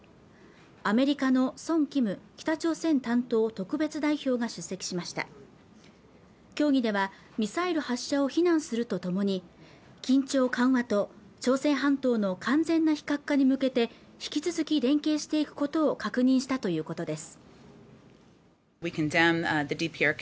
アメリカのソン・キム北朝鮮担当特別代表が出席しました協議ではミサイル発射を非難するとともに緊張緩和と朝鮮半島の完全な非核化に向けて引き続き連携していくことを確認したということです